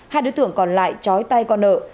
hai đối tượng còn lại chói tay con nợ